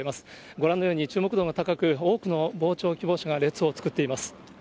ご覧のように注目度が高く、多くの傍聴希望者が列を作っています。